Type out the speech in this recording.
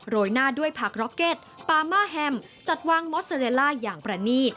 หน้าด้วยผักร็อกเก็ตปามาแฮมจัดวางมอสเตอเรลล่าอย่างประนี